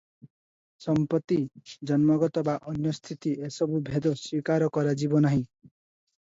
ସମ୍ପତ୍ତି, ଜନ୍ମଗତ ବା ଅନ୍ୟ ସ୍ଥିତି ଏସବୁ ଭେଦ ସ୍ୱୀକାର କରାଯିବ ନାହିଁ ।